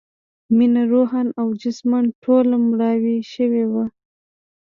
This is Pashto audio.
مينه روحاً او جسماً ټوله مړاوې شوې وه